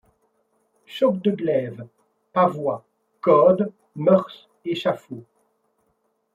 Chocs de glaives, pavois ; codes, mœurs, échafauds